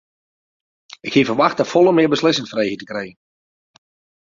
Ik hie ferwachte folle mear beslissingsfrijheid te krijen.